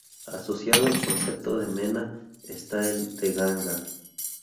Asociado al concepto de mena, está el de ganga.